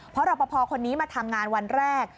เพราะรอปภคนนี้มาทำงานวันแรก